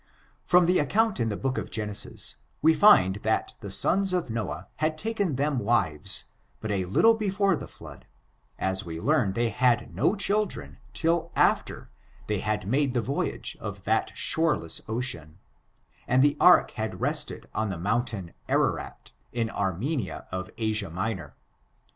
From the account in the Book of Genesis, we find that the sons of Noah had taken them wives but a little be fore the flood, as we learn they had no children till after they had made the voyage of that shoreless ocean, and the ark had rested on the mountain Arch raif in Armenia of Asia Minor.